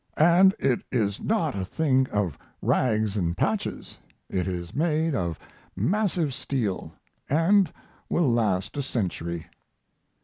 And it is not a thing of rags and patches; it is made of massive steel, and will last a century.